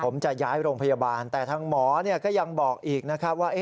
ผมจะย้ายโรงพยาบาลแต่ทางหมอก็ยังบอกอีกนะครับว่า